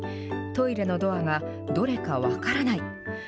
トイレのドアが、どれか分からない。